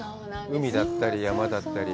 海だったり山だったり。